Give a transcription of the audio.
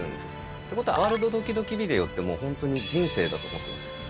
ってことは、ワールドドキドキビデオってもう本当に人生だと思ってます。